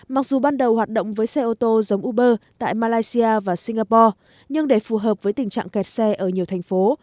mặc dù ban đầu hoạt động với xe ô tô giống uber tại malaysia và singapore nhưng để phù hợp với tình trạng kẹt xe ở nhiều thành phố